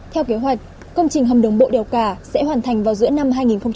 theo kế hoạch công trình hầm đồng bộ đèo cà sẽ hoàn thành vào giữa năm hai nghìn một mươi bảy